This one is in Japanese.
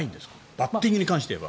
バッティングに関していえば。